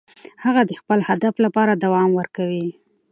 هغه د خپل هدف لپاره دوام ورکوي.